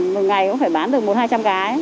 một ngày cũng phải bán được một hai trăm linh cái